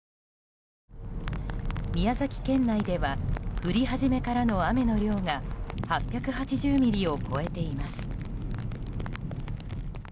宮崎県内では降り始めからの雨の量が８８０ミリを超えています。